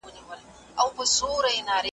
پر پردي ولات اوسېږم له اغیار سره مي ژوند دی ,